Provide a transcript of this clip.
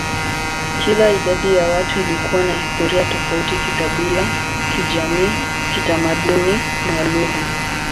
Kila idadi ya watu ilikuwa na historia tofauti kikabila, kijamii, kitamaduni, na lugha.